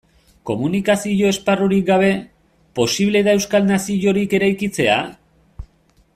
Komunikazio esparrurik gabe, posible da euskal naziorik eraikitzea?